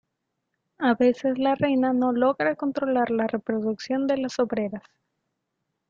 A veces la reina no logra controlar la reproducción de las obreras.